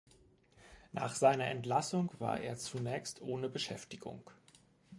Nach seiner Entlassung war er zunächst ohne Beschäftigung.